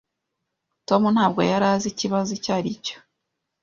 Tom ntabwo yari azi ikibazo icyo aricyo.